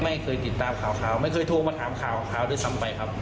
ไม่เคยติดตามข่าวไม่เคยโทรมาถามข่าวเขาด้วยซ้ำไปครับ